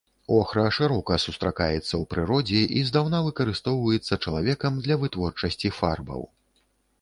Охра шырока сустракаецца ў прыродзе і здаўна выкарыстоўваецца чалавекам для вытворчасці фарбаў.